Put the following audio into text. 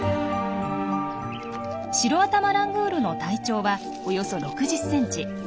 シロアタマラングールの体長はおよそ６０ｃｍ。